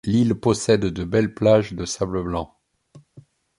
L'île possède de belles plages de sable blanc.